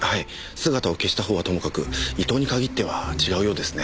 姿を消した方はともかく伊藤に限っては違うようですね。